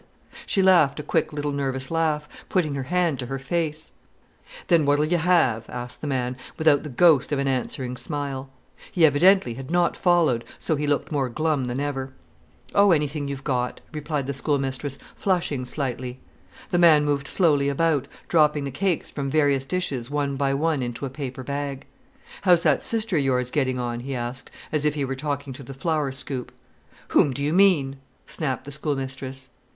She laughed a quick little nervous laugh, putting her hand to her face. "Then what'll you have?" asked the man, without the ghost of an answering smile. He evidently had not followed, so he looked more glum than ever. "Oh, anything you've got," replied the schoolmistress, flushing slightly. The man moved slowly about, dropping the cakes from various dishes one by one into a paper bag. "How's that sister o' yours getting on?" he asked, as if he were talking to the flour scoop. "Whom do you mean?" snapped the schoolmistress.